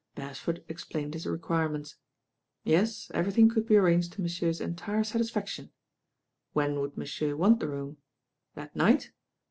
Beresford explained his requirements. Yes, everything could be arranged to monsieur's entire satisfaction. When would monsieur want the room? That night?